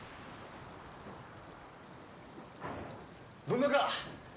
どんなか？